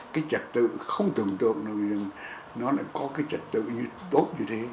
cái trật tự không tưởng tượng được nó lại có cái trật tự tốt như thế